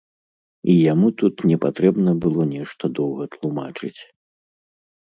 І яму тут не патрэбна было нешта доўга тлумачыць.